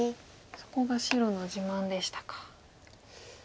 そこが白の自慢でしたか。